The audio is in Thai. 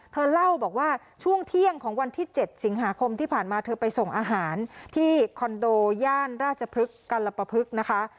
เธอเล่าบอกว่าช่วงเที่ยงของวันที่๗สิงหาคมที่ผ่านมาเธอไปส่งอาหารที่คอนโดย่านราชพฤกษ์กัลปภึกนะคะ